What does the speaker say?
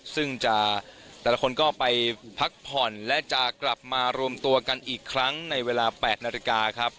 ซึ่งแต่ละคนก็ไปพักผ่อนและจะกลับมารวมตัวกันอีกครั้งในเวลา๘นาฬิกาครับ